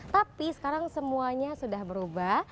tapi sekarang semuanya sudah berubah